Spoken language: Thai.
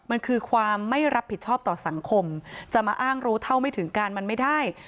มันคือความไม่รับผิดชอบต่อสังคมจะมาอ้างรู้เท่าไม่ถึงการมันไม่ได้